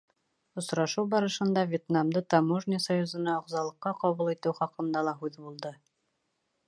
Осрашыу барышында Вьетнамды Таможня союзына ағзалыҡҡа ҡабул итеү хаҡында ла һүҙ булды.